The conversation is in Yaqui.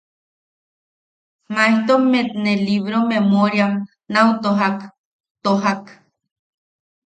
Maejtommet ne libro momoeram nau tojak, toja-k.